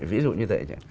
ví dụ như thế